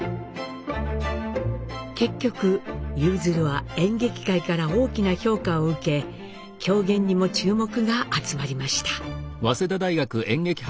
結局「夕鶴」は演劇界から大きな評価を受け狂言にも注目が集まりました。